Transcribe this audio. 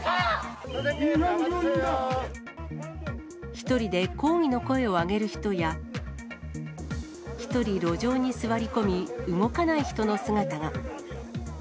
１人で抗議の声を上げる人や、１人路上に座り込み、動かない人の姿が。